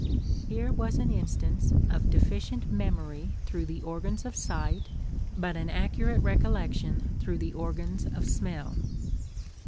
Here was an instance of deficient memory through the organs of sight, but an accurate recollection through the organs of smell."